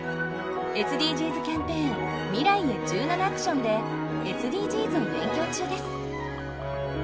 ＳＤＧｓキャンペーン「未来へ１７ａｃｔｉｏｎ」でＳＤＧｓを勉強中です。